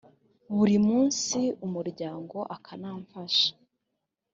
buri munsi umuryango akanafasha.